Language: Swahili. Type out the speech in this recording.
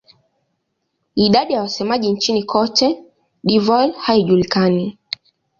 Idadi ya wasemaji nchini Cote d'Ivoire haijulikani.